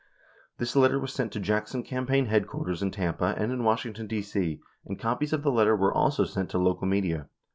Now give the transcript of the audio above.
64 This letter was sent to Jackson campaign headquarters in Tampa and in Wash ington, D.C., and copies of the letter were also sent to local media.